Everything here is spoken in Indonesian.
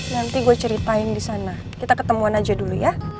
nanti gue ceritain di sana kita ketemuan aja dulu ya